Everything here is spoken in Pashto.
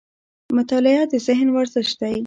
مطالعه د ذهن ورزش دی